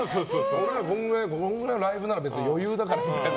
俺らこんぐらいのライブなら別に余裕みたいな。